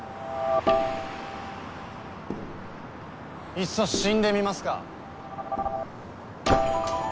・いっそ死んでみますか？